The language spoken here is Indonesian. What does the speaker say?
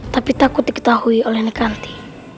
tapi takut diketahui oleh nekanti